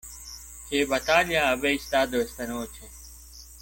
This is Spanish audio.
¿ qué batalla habéis dado esta noche?